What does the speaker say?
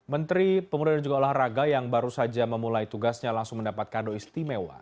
menteri pemuda dan juga olahraga yang baru saja memulai tugasnya langsung mendapat kado istimewa